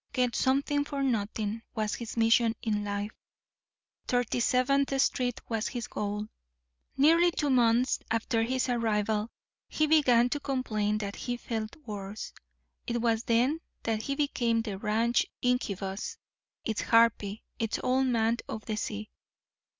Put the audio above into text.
"Get something for nothing," was his mission in life; "Thirty seventh" Street was his goal. Nearly two months after his arrival he began to complain that he felt worse. It was then that he became the ranch's incubus, its harpy, its Old Man of the Sea.